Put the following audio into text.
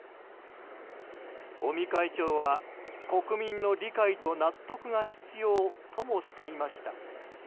尾身会長は、国民の理解と納得が必要ともしていました。